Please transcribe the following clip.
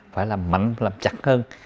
phải làm mạnh làm chặt hơn